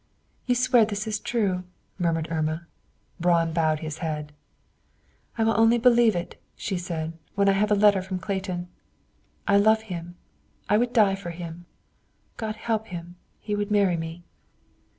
"You swear this is true!" murmured Irma. Braun bowed his head. "I will only believe it," she said, "when I have a letter from Clayton. I love him. I would die for him. God help him; he would marry me!"